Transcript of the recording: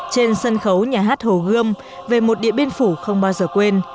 trên sân khấu nhà hát hồ gươm về một điện biên phủ không bao giờ quên